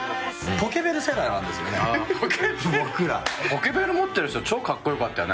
ポケベル持ってる人超カッコ良かったよね